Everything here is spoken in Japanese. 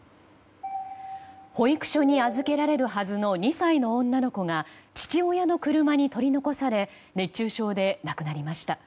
保育所に預けられるはずの２歳の女の子が父親の車に取り残され熱中症で亡くなりました。